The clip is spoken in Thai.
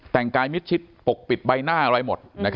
แต่งกายมิดชิดปกปิดใบหน้าอะไรหมด